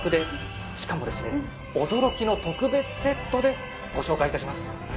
驚きの特別セットでご紹介致します。